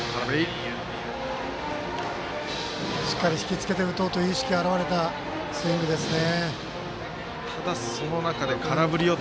しっかり引きつけて打とうという意識が表れたスイングですね。